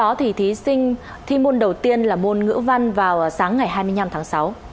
thì thí sinh thi môn đầu tiên là môn ngữ văn vào sáng ngày hai mươi năm tháng sáu